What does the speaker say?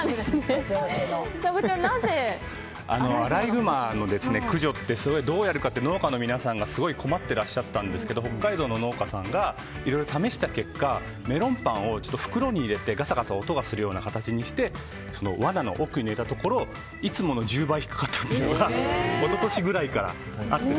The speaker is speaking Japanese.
アライグマの駆除ってすごいどうやるかって農家の皆さんがすごい困っていらっしゃったんですけど北海道の農家さんがいろいろ試した結果メロンパンを袋に入れてガサガサ音がするようにして罠の奥に置いたところいつもの１０倍引っかかったっていうのが一昨年ぐらいからあって。